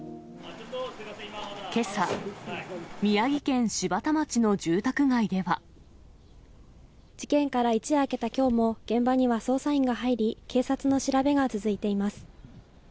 けさ、事件から一夜明けたきょうも、現場には捜査員が入り、警察の調べが続いています。